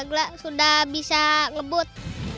gak gelap sudah bisa ngebut